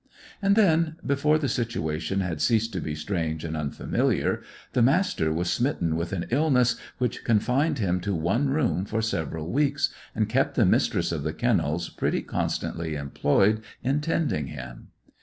And then, before the situation had ceased to be strange and unfamiliar, the Master was smitten with an illness which confined him to one room for several weeks, and kept the Mistress of the Kennels pretty constantly employed in tending him.